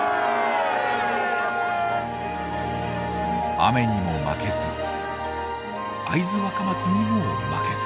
雨にも負けず会津若松にも負けず。